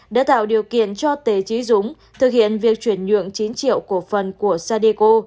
đã tạo điều kiện cho tề trí dũng thực hiện việc chuyển nhượng chín triệu cổ phần của sadeco